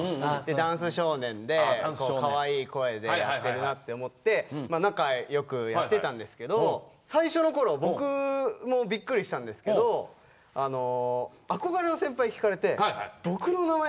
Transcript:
ダンス少年でかわいい声でやってるなって思って仲良くやってたんですけど最初のころ僕もびっくりしたんですけど憧れの先輩聞かれて僕の名前出してたんですよ。